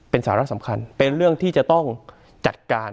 เป็นสาระสำคัญเป็นเรื่องที่จะต้องจัดการ